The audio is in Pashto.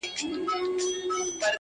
• چي د آس پر ځای چا خر وي درولی -